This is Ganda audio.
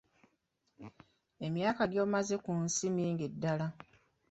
Emyaka gy’omaze ku nsi mingi ddala.